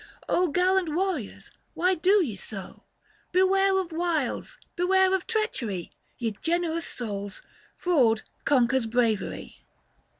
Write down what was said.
gallant warriors, why do ye so ? Beware of wiles, beware of treachery ; 230 Ye generous souls ! fraud conquers bravery.